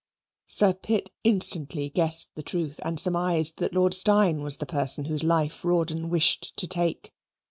Sir Pitt instantly guessed the truth and surmised that Lord Steyne was the person whose life Rawdon wished to take.